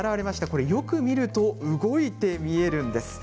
これ、よく見ると動いて見えるんです。